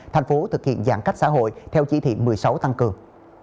thành phố thực hiện giãn cách xã hội theo chỉ thị một mươi sáu tăng cường